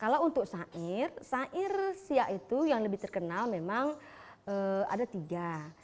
kalau untuk sair sair siak itu yang lebih terkenal memang ada tiga